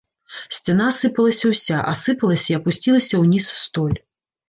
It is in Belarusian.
Сцяна асыпалася ўся, асыпалася і апусцілася ўніз столь.